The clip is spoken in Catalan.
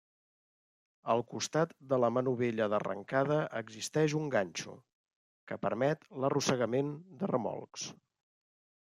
Al costat de la manovella d'arrencada existeix un ganxo, que permet l'arrossegament de remolcs.